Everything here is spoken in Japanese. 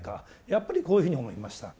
やっぱりこういうふうに思いました。